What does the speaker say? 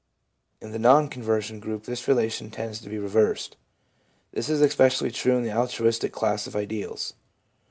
In the non conversion group this relation tends to be reversed. This is especially true in the altruistic class of ideals.